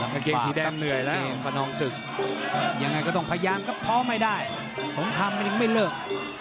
แล้วเกงส์สีแดงเหนื่อยแล้วป่านลองศึก